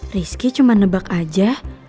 rizky cuma nebak aja